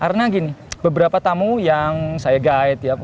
karena gini beberapa tamu yang saya guide